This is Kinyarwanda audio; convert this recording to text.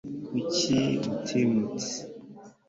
kuki utimutse